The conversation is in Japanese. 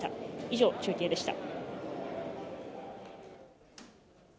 以上、中継でした。